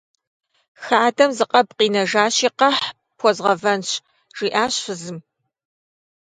Хадэм зы къэб къинэжащи, къэхь, пхуэзгъэвэнщ, - жиӀащ фызым.